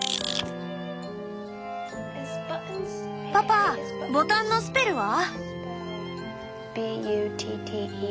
パパボタンのスペルは？